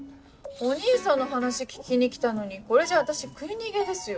お兄さんの話聞きに来たのにこれじゃ私食い逃げですよ。